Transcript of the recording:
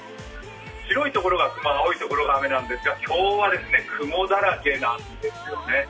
白いところが雲が多いところの雨なんですが、今日は雲だらけなんですよね。